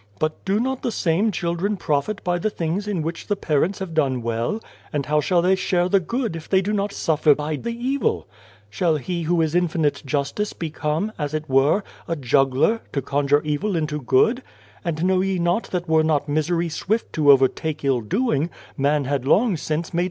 " But do not the same children profit by the things in which the parents have done well ? And how shall they share the good, if they do not suffer by the evil ? "Shall He who is infinite Justice become, as it were, a juggler, to conjure evil into good ? And know ye not that were not misery swift to overtake ill doing, man had long since made